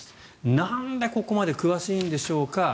なんでここまで詳しいんでしょうか。